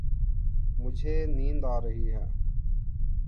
مجھے نیند آ رہی ہے